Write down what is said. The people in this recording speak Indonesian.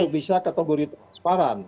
bisa ketegur transparan